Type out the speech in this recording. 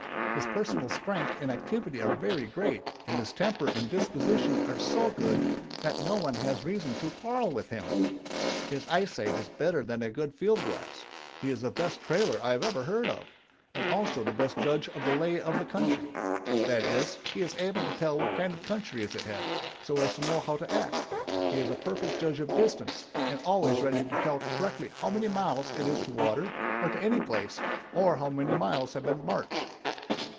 His personal strength and activity are very great, and his temper and disposition are so good that no one has reason to quarrel with him. "His eyesight is better than a good field glass; he is the best trailer I ever heard of, and also the best judge of the 'lay of country' that is, he is able to tell what kind of country is ahead, so as to know how to act. He is a perfect judge of distance, and always ready to tell correctly how many miles it is to water, or to any place, or how many miles have been marched....